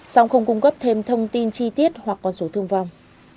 song không cung cấp thêm thông tin chi tiết hoặc con số thương vong